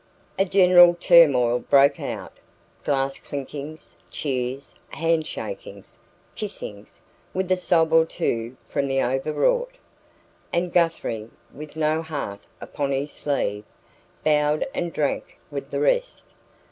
A general turmoil broke out, glass clinkings, cheers, handshakings; kissings, with a sob or two from the overwrought. And Guthrie, with no heart upon his sleeve, bowed and drank with the rest.